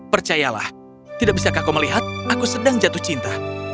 percayalah tidak bisakah kau melihat aku sedang jatuh cinta